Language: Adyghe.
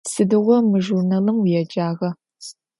Сыдигъо мы журналым уеджагъа?